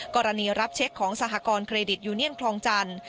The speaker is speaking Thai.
กรณีรับเช็คของสหกรณ์เครดิตยูเนียนคลองจันทร์